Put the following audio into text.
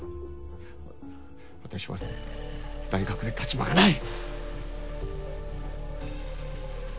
私は大学で立場がない。